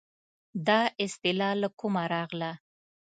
دا اصطلاح له کومه راغله.